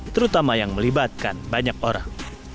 terutama yang melibatkan banyak orang